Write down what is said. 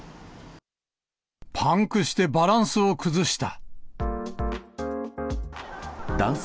パンクしてバランスを崩した。